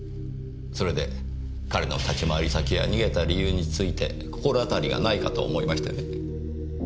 それで彼の立ち回り先や逃げた理由について心当たりがないかと思いましてね。